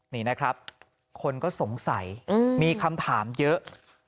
นี่นะครับคนก็สงสัยมีคำถามเยอะ